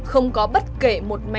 hàng thì đang được ưu đoạn